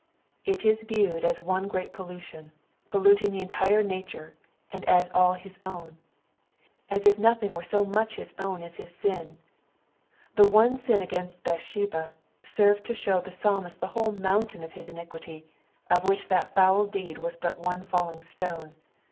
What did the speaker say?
It i.t viewed as one great pollution, polluting the entire nature, and us all his own ; as if nothing were so much bis own as his sin. The one ain against Bathshuba, served to show the psalmist tho whole mountain of his iniquity, of which that foul deed was but one falling atone.